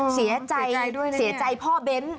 เสียใจพ่อเบ้น